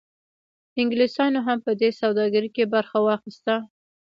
انګلیسانو هم په دې سوداګرۍ کې برخه واخیسته.